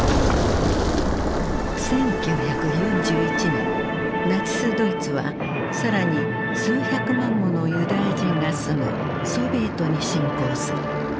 １９４１年ナチスドイツは更に数百万ものユダヤ人が住むソビエトに侵攻する。